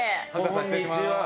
こんにちは。